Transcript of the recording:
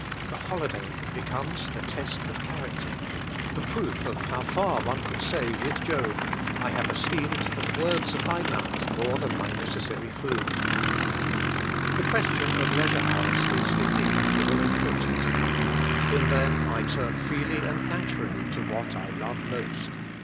The holiday becomes the test of character, the proof of how far one could say with Job, " I have esteemed the words of thy mouth more than my necessary food.^' The question of leisure hours is indeed all important. In them I turn freely and naturally to what I love most.